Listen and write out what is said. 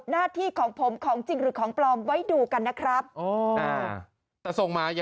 นี่คุณคุณ